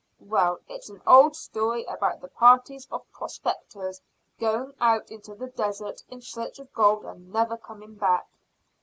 "Well, it's an old story about the parties of prospectors going out into the desert in search of gold and never coming back."